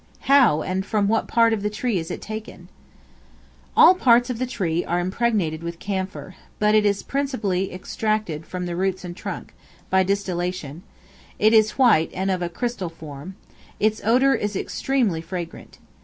How, and from what part of the tree is it taken? All parts of the tree are impregnated with camphor; but it is principally extracted from the roots and trunk, by distillation; it is white, and of a crystal form: its odor is extremely fragrant.